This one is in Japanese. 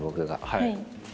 はい。